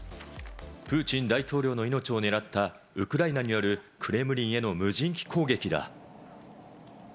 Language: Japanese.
プーチン大統領の命を狙ったウクライナによるクレムリンへの無人機攻撃だ。